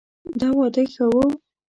دا واده ښه ؤ